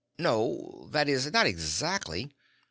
"No that is, not exactly.